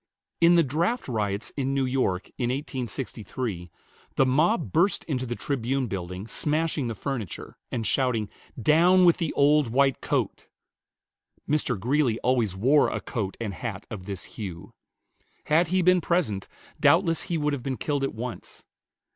In the draft riots in New York, in 1863, the mob burst into the Tribune Building, smashing the furniture, and shouting, "Down with the old white coat!" Mr. Greeley always wore a coat and hat of this hue. Had he been present, doubtless he would have been killed at once.